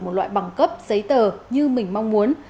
một loại bằng cấp giấy tờ như mình mong muốn